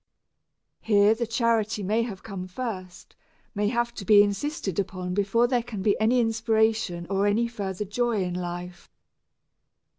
Here the charity may have to come first, may have to be insisted upon before there can be any inspiration or any further joy in life.